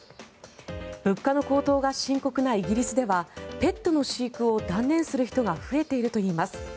物価の高騰が深刻なイギリスではペットの飼育を断念する人が増えているといいます。